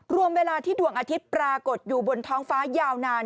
เวลาที่ดวงอาทิตย์ปรากฏอยู่บนท้องฟ้ายาวนาน